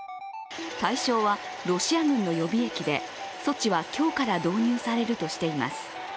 対象はロシア軍の予備役で措置は今日から導入されるとしています。